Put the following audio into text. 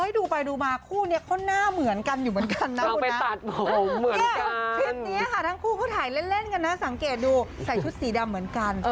ดูไปดูมาคู่เนี้ยเขาหน้าเหมือนกันอยู่เหมือนกันนะคุณนะ